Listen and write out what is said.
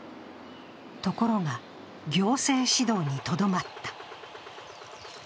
ところが行政指導にとどまった。